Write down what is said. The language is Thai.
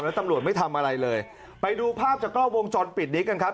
แล้วตำรวจไม่ทำอะไรเลยไปดูภาพจากกล้องวงจรปิดนี้กันครับ